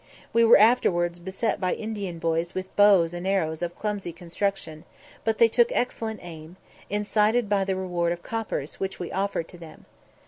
We were afterwards beset by Indian boys with bows and arrows of clumsy construction; but they took excellent aim, incited by the reward of coppers which we offered to them.